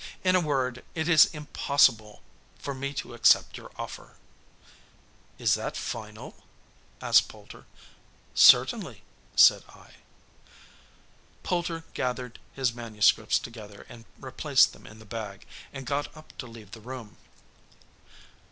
In a word, it is impossible for me to accept your offer!" "Is that final?" asked Poulter. "Certainly," said I. Poulter gathered his manuscripts together and replaced them in the bag, and got up to leave the room.